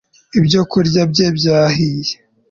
ibyo kurya bye byahiye